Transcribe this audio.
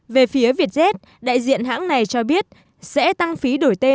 về phía vietjet đại diện hãng này cho biết sẽ tăng phí đổi tên